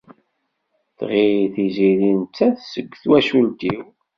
Tɣil Tiziri nettat seg twacult-iw.